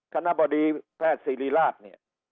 คณะบดีแพทย์ศิริราช